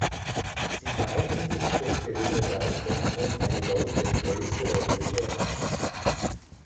Sie zeichnen sich durch geringe Breite und eine deutlich größere Höhe aus.